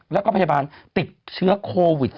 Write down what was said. แล้วก็พยาบาลติดเชื้อโควิด๑๙